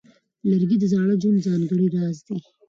لرګی د زاړه ژوند ځانګړی راز دی.